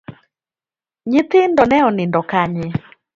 Nyithindo ne onindo kanye?